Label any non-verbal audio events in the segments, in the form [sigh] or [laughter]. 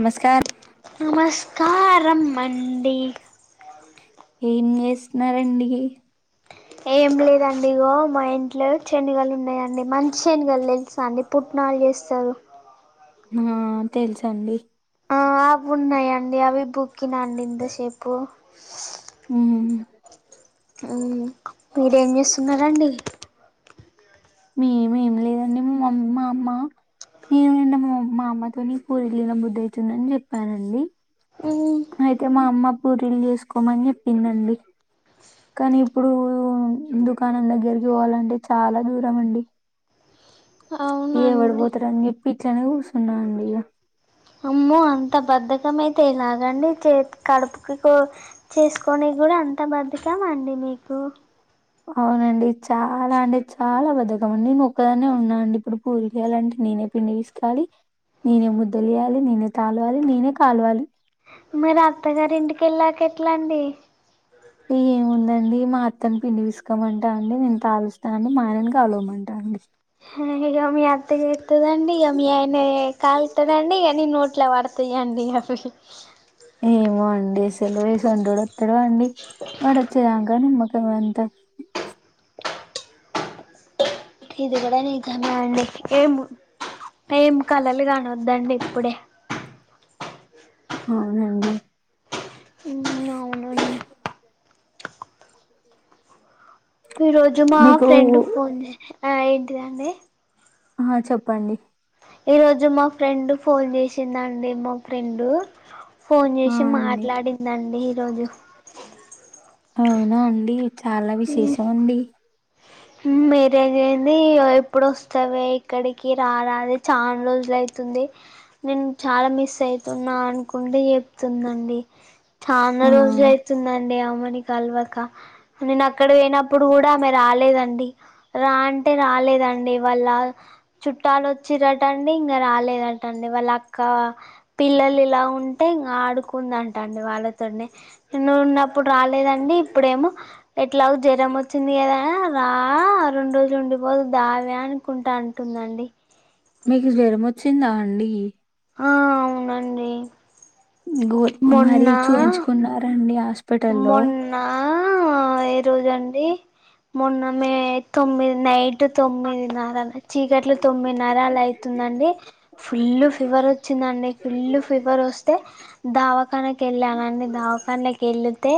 నమస్కార్ కారం మండి ఏం చేస్తున్నారండి ఏం లేదండి ఇగో మా ఇంట్లో శనగలు ఉన్నాయండి. మంచి శనగలు తెలుసా అండి పుట్ కాల్ చేస్తాను మా తెలుసండి ఆ అవి ఉన్నాయండి అవి బుక్కినా అండి ఇంతసేపు మ్మ్ హు అవునా మీరేం చేస్తున్నారండి. మేమేం లేదండి మా [unintelligible] మా అమ్మ నేను నిన్న మా మా అమ్మతోని పూరీలు తిన బుద్ద అయితుందని చెప్పానండి. మ్మ్ అయితే మా అమ్మ పూరీలు చేసుకోమని చెప్పిందండి. కానీ ఇప్పుడు దుకాణం దగ్గరికి పోవాలంటే చాలా దూరం అండి. ఏవడు అవునండి పోతడని చెప్పి ఇట్లనే కూర్చున్నాండి ఇగ అమ్మో అంత బద్ధకమైతే ఎలాగండి చేత్ కడుపుకు కొ చేసుకొని గుడా అంత బద్దకమాండి మీకు అవునండి చాలా అంటే చాలా బద్దకం అండి. నేను ఒక్కదాన్నే ఉన్నా అండి ఇప్పుడు పూరీలు చేయలాంటే నేనే పిండి పిసకాలి నేనే ముద్ద చెయాలి నేనే తాలవాలి నేనే కాలవాలి. మీరు అత్తగారి ఇంటికెళ్ళాక ఎట్లా అండి. ఏమో ఉండండి మా అత్తను పిండి పిసకమంటా అండి. నేను కాలుస్త అండి. మా ఆయనను కలవమంటా అండి. అయ్యయ్యో మీ అత్త చెత్తదండి ఇగ మీ ఆయన కలుత్తడండి ఇగ ని నోట్ ఇట్లా పడతాయండి అవిష్ ఏమో అండి ఏస్సల్ ఏసంటోడు వత్తడో అండి వాడు వచ్చేదాంక నిమ్మ రవ్వంత ఇది గుడా నిజమే అండి ఏమో ఏం కలలు కానొద్దండి ఇప్పుడే అవునండి అవునండి ఒకటేసి ఈ రోజు మా ఫ్రెండ్ ఫోన్ చేసి ఆ ఏంటిదండి ఆ చెప్పండి ఈ రోజు మా ఫ్రెండ్ ఫోన్ చేసిందండి మా ఫ్రెండు ఫోన్ ఆ చేసి అండి మాట్లాడిందండి ఈరోజు అవునా అండి చాలా విశేషం అండి మిరేదేంది ఎప్పుడు వస్తావే ఇక్కడికి రారాదే చాన్ రోజులై అవుతుంది నేను చాలా మిస్ అవుతున్నా అనుకుంట చెప్తుందండి ఆ చానా రోజులు ఐతుందండి ఆమెని కల్వక నేను అక్కడ పోయినప్పుడు కూడా ఆమె రాలేదండి రా అంటే రాలేదండి వాళ్ళ చుట్టాలు ఓచ్చిరటండి ఇంకా రాలేదటండి వాళ్ళు అక్క పిల్లలు ఇలా ఉం టే ఇంగా ఆడుకుందంట అండి వాళ్ళతోని నేను ఉన్నప్పుడు రాలేదండి ఇప్పుడేమో ఎట్లాగ జ్వరం వచ్చింది కదా రా రెండు రోజులు ఉండిపోదు దావే అనుకుంటా అంటుంది దండి మీకు జ్వరం వచ్చిందా అండి ఆ అవునండి గో మొన్న మరీ చూయించుకున్నరా అండి ఆస్ మొన్న ఏ రోజండి మొన్న మే తొమ్మిది నైట్ తొమ్మిది నార చీకట్లు తొమ్మిది నర అట్ల అవుతుందండి ఫుల్ ఫీవర్ వచ్చిందండి ఫుల్ ఫీవర్ ఓస్తే దవాకాన కేళ్ళానండి దవాఖాన వెళితే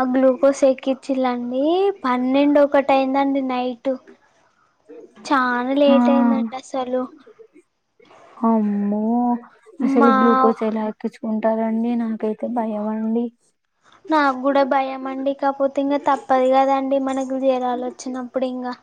ఆ గ్లూకోస్ ఎక్కించిలండి పన్నెండు ఒకటి అయిందండి నైట్ [inaudible] చాలా ఆ లేట్ అమ్మో అయిందండి అసలు అమ్మో అసలు మా గ్లూకోజ్ ఎలా ఎక్కించుకుంటారుండి నాకైతే భయం అండి నాకు కూడా భయం అండి కాకపోతే ఇంకా తప్పదు కదండి మనకి జెరలు వచ్చినప్పుడు ఇంకా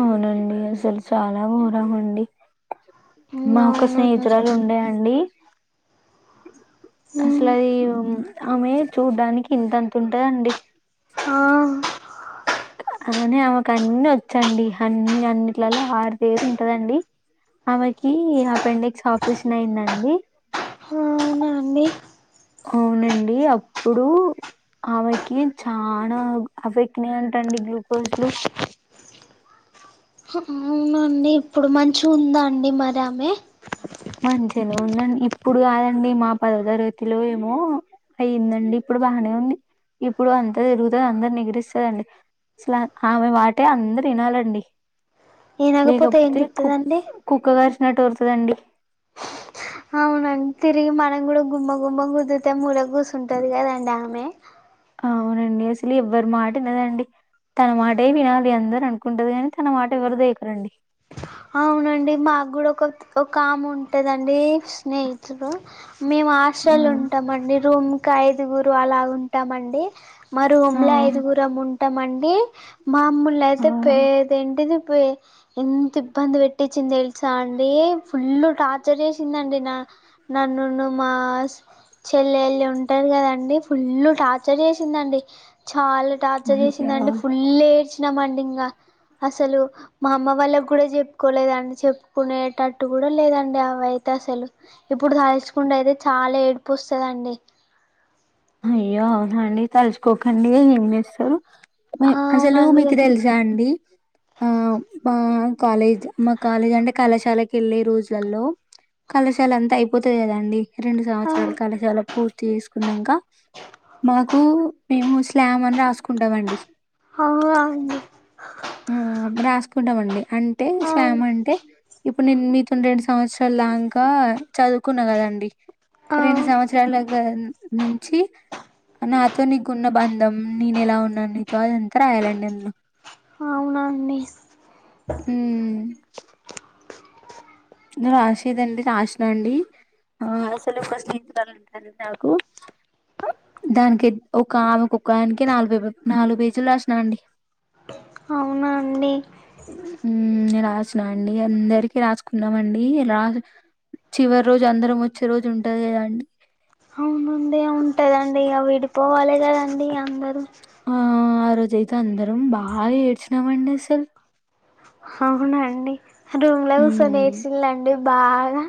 అవునండి అసలు చాలా ఘోరంమండి మా ఒక్క అవును స్నేహితురాలు ఉండే అండి అసలు అది ఆమె చూడ్డానికి ఇంతంత ఉంటదండి ఆ తననే ఆమెకు అన్ని వచ్చండి అన్ని అన్నింటిలలో ఆరుదేరు ఉంటదండి ఆమెకి అపెండిక్స్ ఆపరేషన్ అయిందండి అ అవునా అండి అవునండి అప్పుడు ఆమెకి చానా అఫెక్ట్నే ఉంటండి గ్లూకోజ్లు అన్నీ ఇప్పుడు మంచిగుంద అండి మరి ఆమె మంచిగానే ఉందండి ఇప్పుడు కాదండి మా పదోవతరగతిలో ఏమో అయ్యందండి ఇప్పుడు బాగానే ఉంది ఇప్పుడు అంత తిరుగుతది అందనెగిరిస్తుందిండి అసలా ఆమె మాటే అందరు వినాలండి వినకపోతే ఏం లేకపోతే కు చెప్తదండి కుక్క కరిచినట్టు ఓరుతదండి అవునం తిరిగి మన కూడా గుమ్మ గుమ్మ కుదుతే ముర కూర్స్ ఉంటది కదండి ఆమె అవునండి అసలు ఎవ్వరి మాట లేదండి తన మాటే వినాలి అందరు అనుకుంటది కాని తన మాట ఎవరుదేకరండి అవునండి మాకు కూడా ఒక ఒక కామె ఉంటదండి స్నేహితులు మేము ఆ హాస్టల్ ఉంటామ అండి రూమ్కి ఐదుగురు అలా ఉంటామండి ఆ మరూమ్ంలో ఐదుగురమ్ ఉంటామండి. ఆ, మామ్మలనయితే పేదేంటిది. పే ఎంత ఇబ్బంది పెట్టిచ్చింది తెలుసా అండి. ఫుల్ టార్చర్ చేసిందండి. న నన్ను మాస్ చెల్లెలు ఉంటారు కదండి. ఫుల్ టార్చర్ చేసిందండి. చాలా టార్చర్ అయ్యా చేసిందండి. ఫుల్ ఏడ్చినామ అండి. ఇంగా అసలు మా అమ్మ వాళ్ళకి కూడా చెప్పుకోలేదండి. చెప్పుకునేటట్టు కూడా లేదండి. అండి అవి అయితే అసలు ఇప్పుడు తలుచుకుంటే అయితే చాలా ఏడుపు వస్తుందండి. అయ్యో అవునండి. తలుచుకోకండి ఏం చేస్తారు? ఆ మేమ్ అసలు అవునండి ఆ మీకు తెలుసా అండి? ఆ మా కాలేజ్ మా కాలేజ్ అంటే కళాశాలకి ఏళ్ళే రోజులల్లో కళాశాల అంతా అయి పోతది కదండి. రెండు సంవత్సరాల కళాశాల పూర్తి చేసుకున్నంక మాకు మేము స్లామ్ అని రాసుకుంటామండి. హవ్వండి. ఆ రాసుకుంటాం అండి. అంటే ఆ స్లామ్ అంటే ఇప్పుడు నేను మీతో రెండు సంవత్సరాల దాంకా చదువుకున్నా కదండి. ఆ రెండు సంవత్సరాలగా నుంచి నాతో నీకున్న బంధం నేను ఎలా ఉన్నా నీతో అదంతా రాయాలండి. అందులో అవునండి ఉమ్ నువ్వు రాసేదండి రాశినండి. ఆ అసలు [inaudible] నాకు దానికి అయి ఒక ఆమెకు ఒక ఆయనకే నాలుగు పేపర్లు, నాలుగు పేజీలు రాసిన అండి. అవునా! అండి మ్ రాసిన అండి అందరికి రాసు సుకున్నామండి. రా చివరి రోజు అందరం వచ్చే రోజు ఉంటది కదా అండి. అవును అండి ఉంటదండి. ఇగ విడిపోవాలే కదండి అందరు ఆ ఆ రోజయితే అందరం బాగా ఏడ్చినామండి. అసలు అవునా అండి రూమ్ లో కూసొని మ్మ్ ఏడ్సిలాఅండి. బాగా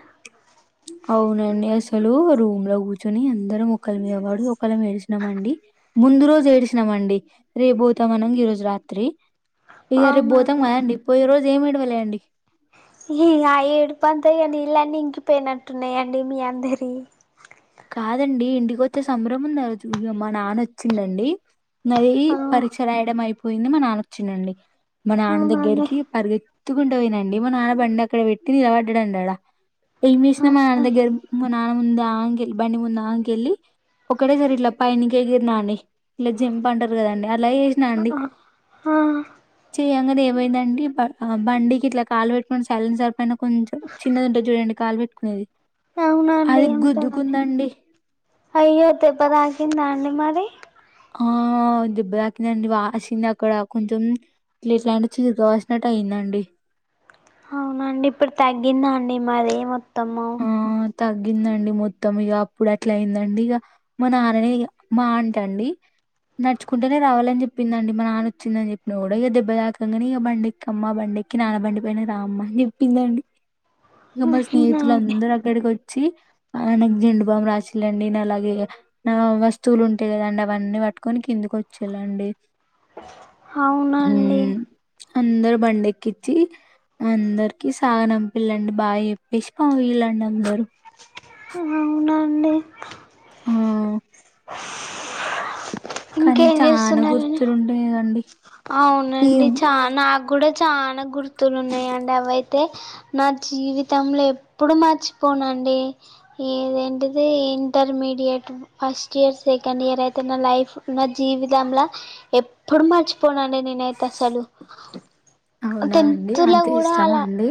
అ అవునండి. అసలు రూమ్ లో కూర్చొని అందరం ఒకళ్ళ మీద వడి ఒకళ్ళం ఏడ్చినామండి. ము ముందు రోజు ఏడ్సినము అండి. రేపు పోతామనంగా ఈ రోజు రాత్రి ఇగ రేపు పోతం అవునండి కదండి పోయే రోజు ఏమి ఏడవలేండి. పే. మీ అందరియి కాదండి. ఇంటికి వచ్చే సంభ్రం ఉంది. ఆ రోజు మా నాన్న వచ్చిండు అండి. నాది పరీక్ష రాయడం అయిపోయింది. మా నాన్న వచ్చిండు అండి. మా నాన్న అవునండి దగ్గరికి పరిగె ఎత్తుకుంటూ పోయినండి. మా నాన్న బండి అక్కడ పెట్టి నిలబడ్డాడండి అడ ఏం చేసినా మా నాన్న అవునండి దగ్గర మా నాన్న ముంద అంగలి బండి ముందుకెళ్లి ఒక్కటే సరీ ఇట్లా పైనికి ఎగిరినా అండి. ఇట్లా జింప్ అంటారు కదండి. అలా చేసినా అండి. హా చెయంగానే ఏమైందండి. ఆ బండికి ఇట్లా కాలు పెట్టుకుని సైలెన్సర్పైన కొంచెం చిన్నదుంటది చూడండి. కాలు పెట్టుకునేది. అవునా అండి అది వుంటాదండీ. గుద్దుకుందండి అయ్యో దెబ్బ తాకిందా అండి మరి? ఆ దెబ్బ తాకిందండి. వాసింది అక్కడ కొంచెం ఇట్లా ఇట్లాంటి చిగురుకువాసినట్టు అయిందండి. మాదే మొత్తము ఆ తగ్గిందండి. మొత్తము ఇగ అప్పుడు అట్లా అయిందండి. ఇగ మా నాన్ననే ఇగ మా అంటి అండి. నడుుచుకుంటేనే రావాలని చెప్పిందండి మా నాన్న వచ్చిందని చెప్పిన కూడా ఇక దెబ్బ తాకంగానీ ఇక బండిక్కమ్మ బండి ఎక్కి నాన్న బండి పైన రా అమ్మ అని చెప్పిందండి ఇక మా అవునండి స్నేహితులందరూ అక్కడికి వ చ్చీ మా నాన్నకి జెండు బామ్ రాసి లాండి అలాగే వస్తువులు ఉంటాయి కదండి అవన్నీ పట్టుకొని కిందుకు వచ్చేలాండి అవునండి అందరు బండి ఎక్కించి అందరికి సాగనంపిల్లండి బాయి చెప్పి ఆ ఇలా నందరు అవునా అండి ఆ కానీ ఇంకేం చానా చేస్తున్నారండి గుర్తులుంటాయి కదండి అవునండి ఏమో చ నాకు కూడా చాలా గుర్తులు ఉన్నాయిండి అవైతే నా జీవితంలో ఎప్పుడు మర్చిపోను అండి ఇది ఏంటది intermediate first year second year అయితే నా లైఫ్ ఫ్ నా జీవితంలా ఎప్పుడు మర్చిపోనండి నేనైతే అసలు అవునా అండి టెన్త్ లో అంత కూడా ఇష్టమా అలా అండి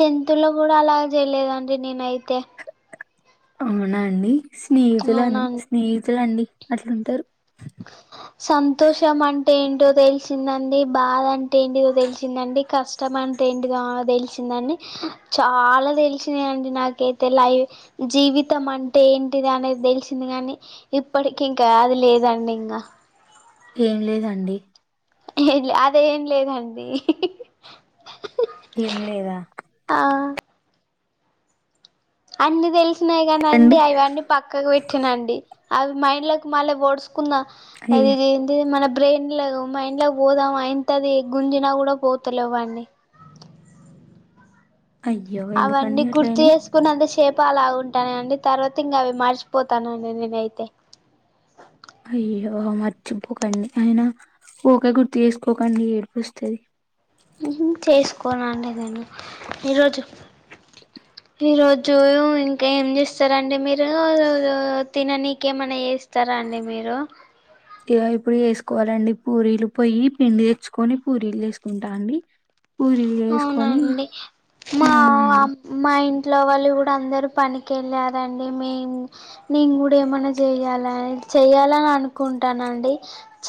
తెెంతులో కూడా అలాగ చేయలేదండి నేను అయితే అవునా అండి స్నేహితులు అవునండి స్నేహితులండి అట్లా ఉంటరు సంతోషం అంటే ఏంటో తెలిసిందండి బాధ అంటే ఏంటిదో తెలిసిందండి కష్టం అంటే ఏంటిదో తెలిసిందండి చాలా తెలిసినాయి అండి నాకైతే లైఫ్ జీవితం అంటే ఏంటిది అనేది తెలిసింది గానీ ఇప్పటికి ఇంకా అది లేదండి ఇంకా ఏం లేదండి ఏం లే అది ఏం లేదండి ఏం లేదా ఆ అన్నీ తెలిసినాయి కానీ అండి అవన్నీ పక్కకు పెట్టిన అండి అవి మైండ్ లోకి మళ్ల పొడుస్ కుందా అది అయ్య ఇది ఏంది మనా బ్రెయిన్ల మైండ్ లో పోదాం అంతది గుంజిన కూడా పోతలేవండి [inaudible] అయ్యో అవన్నీ ఎందుకండి గుర్తు అట్లయినయి చేసుకున్న అంతషేప్ ప్ప అలా ఉంటాన అండి తర్వాత ఇంకా అవి మర్చిపోతానండి నేను అయితే అయ్యో మర్చిపోకండి అయినా ఊకే గుర్తు చేసుకోకండి ఏడుపోస్తది చేసుకోలండి నేను ఈరోజు ఈ రోజు ఇంకా ఏం చేస్తారంటే మీరు తిననీనికి ఏమన్నా చేస్తారా అండి మీరు ఇగ ఇప్పుడు చేసుకోవాలండి పూరీలు పోయి పిండి తెచ్చుకొని పూరీలు చేసుకుంటాండి అవునా అండి మా ఆ అండి మా ఇంట్లో వాళ్లు కూడా అందరు పనికి వెళ్ళారండి మే నేను కూడా ఏమైన్నా చేయాల చెయాలని అనుకుంట ఉంటానండి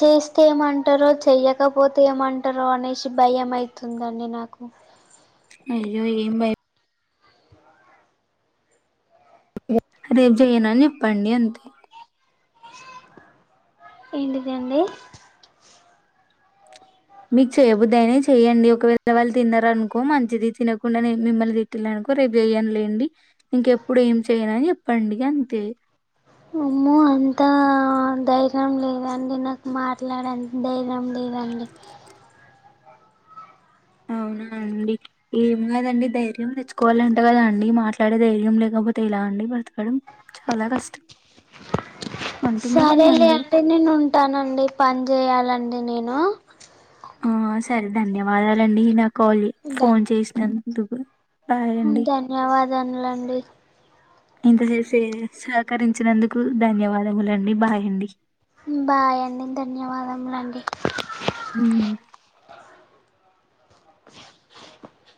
చేస్తే ఏమంటారో చెయకపోతే ఏమంటారో అనేసి భయం అయితు ఉండండి నాకు అయ్యో ఏం భయ పోతే రేపు చేయను అని చెప్పండి అంతే ఏంటిది అండి మీకు చేయ్యబుద్దుయినే చెయ్యండి ఒకవేళ వాళ్ళు తిన్న అనుకో మంచిది తినకుండా నేను మిమ్మల్ని తిట్టాల ఇంక రేపు చెయ్యనులేండి ఇంకెప్పుడు ఏం చెయను అని చెప్పండి అంతే అమ్మో అంత ధైర్యం లేదండి నాకు మాట్లాడేంత ధైర్యం లేదు లేదండి అవునా అండి ఏం కాదండి ధైర్యం తెచ్చుకోవాలంట కదాండి మాట్లాడే ధైర్యం లేక పో తే ఎలా అండి బ్రతకడం చాలా కష్టం అంటున్నారండి సరేలే అందరూ. అండి నేను ఉంటానండి పని చేయాలండి నే ఆ ఆ సరే ధన్యవాదాలండి నాకు కాల్ ఫోన్ చేసినందుకు బాయ్ ఆ అండి. ధన్యవాదములండి ఇంత చేేసే సహకరించినందుకు ధన్యవాదములండి బాయ్ అండి బాయ్ అండి ధన్యవాదములండి మ్ [inaudible]